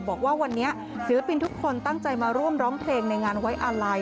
บอกว่าวันนี้ศิลปินทุกคนตั้งใจมาร่วมร้องเพลงในงานไว้อาลัย